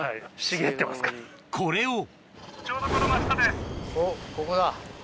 これをおっここだ。